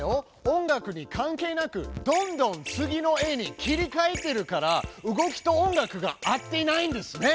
音楽に関係なくどんどん次の絵に切りかえてるから動きと音楽が合っていないんですね！